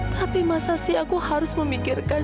tapi masa sih aku harus memikirkan